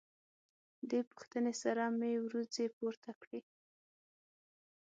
دې پوښتنې سره مې وروځې پورته کړې.